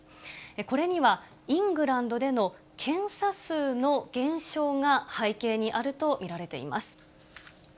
これには、イングランドでの検査数の減少が背景にあると見られています。